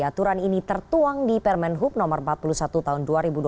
aturan ini tertuang di permen hub no empat puluh satu tahun dua ribu dua puluh